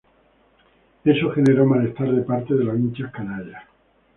Eso generó malestar de parte de los hinchas canallas.